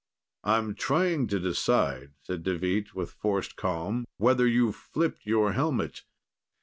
"I'm trying to decide," said Deveet with forced calm, "whether you've flipped your helmet."